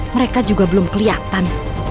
mereka juga belum keliatan